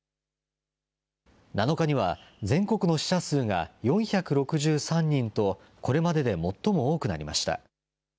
７日には全国の死者数が４６３人と、これまでで最も多くなりました。